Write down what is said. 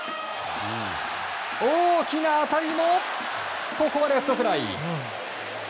大きな当たりもここはレフトフライ。